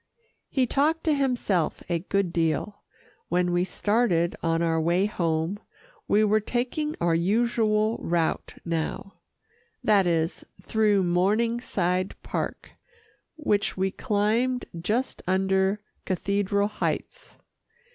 He talked to himself a good deal, when we started on our way home. We were taking our usual route now that is, through Morningside Park which we climbed just under Cathedral Heights.